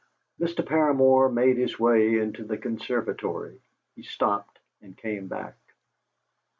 Mr. Paramor made his way into the conservatory. He stopped and came back.